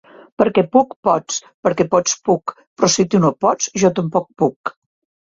Perquè puc, pots; perquè pots, puc; però si tu no pots, jo tampoc puc.